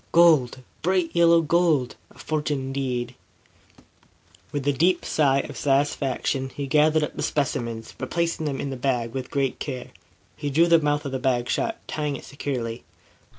"Gold! Bright yellow gold! A fortune, indeed!" With a deep sigh of satisfaction, he gathered up the specimens, replacing them in his bag with great care. He drew the mouth of the bag shut, tying it securely.